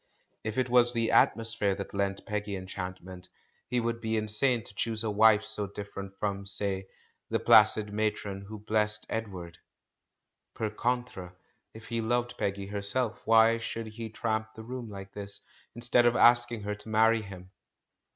If it was the atmosphere that lent Peggy enchantment, he 416 THE MAN WHO UNDERSTOOD WOMEN would be insane to choose a wife so different from, say, the placid matron who blessed Ed ward. Per contra, if he loved Peggy herself, why should he tramp the room like this, instead of asking her to marry him?